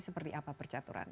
seperti apa percaturan